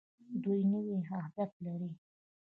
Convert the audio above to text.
دوی نوي اهداف لري.